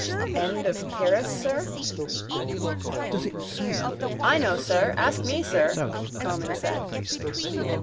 —End of Pyrrhus, sir? —I know, sir. Ask me, sir, Comyn said.